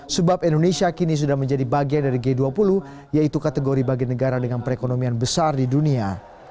sebab indonesia kini sudah menjadi bagian dari g dua puluh yaitu kategori bagian negara dengan perekonomian besar di dunia